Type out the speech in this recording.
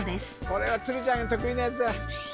これは鶴ちゃんが得意なやつだ